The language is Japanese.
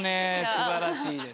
素晴らしいです。